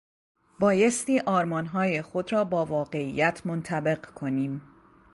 بایستی آرمانهای خود را با واقعیت منطبق کنیم.